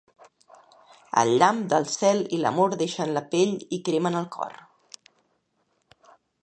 El llamp del cel i l'amor deixen la pell i cremen el cor.